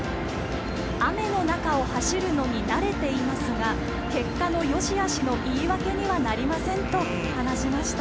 雨の中を走るのに慣れていますが結果のよしあしの言い訳にはなりませんと話しました。